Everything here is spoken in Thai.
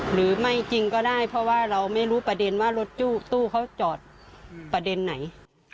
หรือไม่จริงก็ได้เพราะว่าเราไม่รู้ประเด็นว่ารถตู้เขาจอดประเด็นไหน